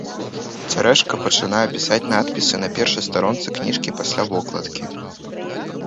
Цярэшка пачынае пісаць надпісы на першай старонцы кніжкі пасля вокладкі.